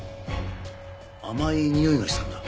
甘いにおいがしたんだ。